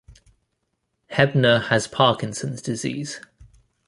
Hebner has Parkinson's disease.